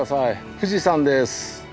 富士山です。